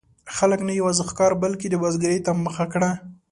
خلکو نه یوازې ښکار، بلکې د بزګرۍ ته مخه کړه.